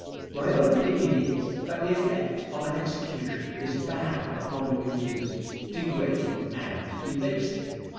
My own opinion is, that the effect of an execution is bad upon the community degrading and debasing.